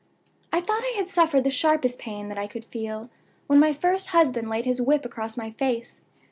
I thought I had suffered the sharpest pain that I could feel when my first husband laid his whip across my face.